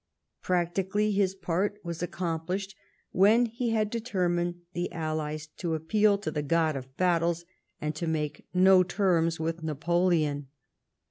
Practically, his part was accomplished when he had determined the Allies to appeal to the God of battles, and to make no terms with Napoleon.